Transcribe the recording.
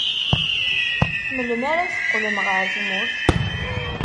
Melmi ara teqqlem ɣer tmurt?